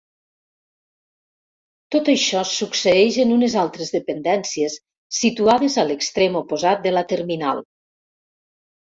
Tot això succeeix en unes altres dependències situades a l'extrem oposat de la terminal.